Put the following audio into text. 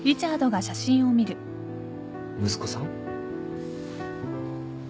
息子さん？